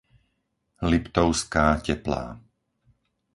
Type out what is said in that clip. Liptovská Teplá